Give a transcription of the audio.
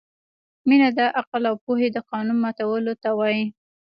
مینه د عقل او پوهې د قانون ماتولو ته وايي.